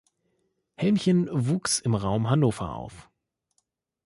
Helmchen wuchs im Raum Hannover auf.